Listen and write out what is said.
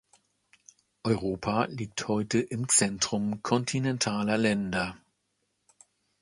Europa liegt heute im Zentrum kontinentaler Länder.